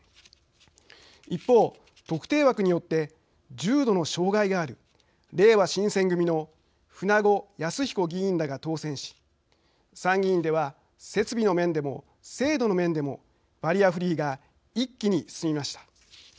一方、特定枠によって重度の障害があるれいわ新選組の舩後靖彦議員らが当選し、参議院では設備の面でも制度の面でもバリアフリーが一気に進みました。